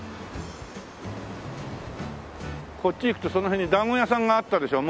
こっち行くとその辺にだんご屋さんがあったでしょ？